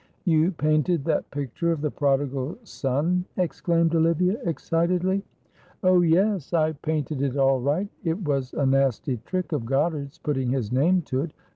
"You painted that picture of the Prodigal Son!" exclaimed Olivia, excitedly. "Oh, yes, I painted it all right. It was a nasty trick of Goddard's putting his name to it.